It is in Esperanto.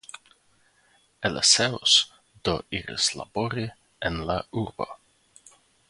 Eleseus do iris labori en la urbo.